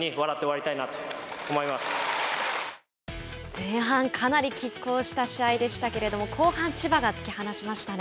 前半、かなりきっ抗した試合でしたけれども後半、千葉が突き放しましたね。